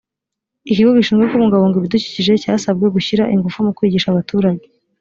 ikigo gishinzwe kubungabunga ibidukikije cyasabwe gushyira ingufu mu kwigisha abaturage`